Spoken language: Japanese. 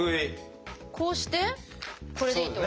こうしてこれでいいと。